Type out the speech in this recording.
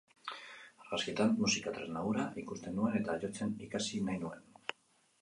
Argazkietan musika tresna hura ikusten nuen eta jotzen ikasi nahi nuen.